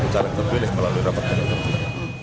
cara terpilih melalui rapatkan yang tersebut